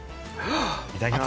いただきます。